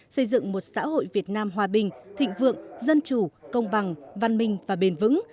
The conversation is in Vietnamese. xây dựng một xã hội việt nam hòa bình thịnh vượng dân chủ công bằng văn minh và bền vững